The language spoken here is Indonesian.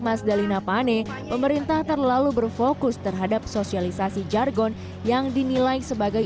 mas dalina pane pemerintah terlalu berfokus terhadap sosialisasi jargon yang dinilai sebagai